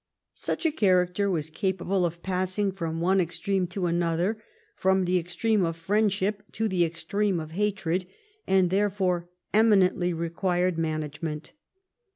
Such a character was capahle of passing from one extreme to another, from the extreme of friendship to the extreme of hatred, and, therefore, eminently required management.